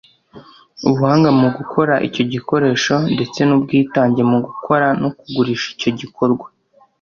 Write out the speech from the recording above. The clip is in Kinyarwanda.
ubuhanga mu gukora icyo gikoresho ndetse n’ubwitange mu gukora no kugurisha icyo gikorwa